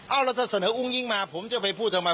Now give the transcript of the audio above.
เอาแล้วถ้าเสนออุ้งอิงมาผมจะไปพูดทำไม